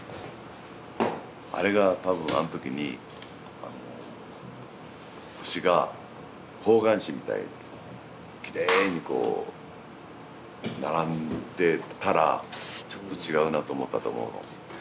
あれが多分あん時にあの星が方眼紙みたいにきれいにこう並んでたらちょっと違うなと思ったと思うの。